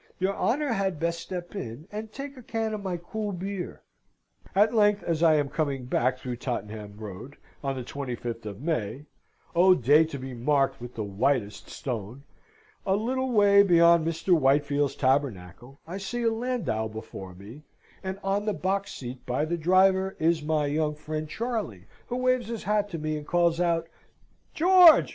Your honour had best step in, and take a can of my cool beer." At length, as I am coming back through Tottenham Road, on the 25th of May O day to be marked with the whitest stone! a little way beyond Mr. Whitefield's Tabernacle, I see a landau before me, and on the box seat by the driver is my young friend Charley, who waves his hat to me and calls out, "George!